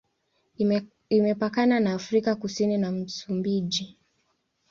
Imepakana na Afrika Kusini na Msumbiji.